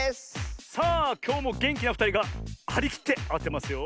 さあきょうもげんきなふたりがはりきってあてますよ。